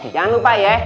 jangan lupa ye